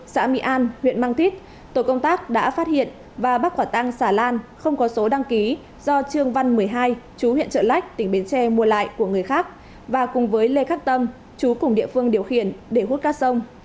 xã mỹ an huyện mang thít tổ công tác đã phát hiện và bắt quả tăng xà lan không có số đăng ký do trương văn một mươi hai chú huyện trợ lách tỉnh bến tre mua lại của người khác và cùng với lê khắc tâm chú cùng địa phương điều khiển để hút cát sông